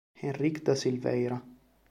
Henrique da Silveira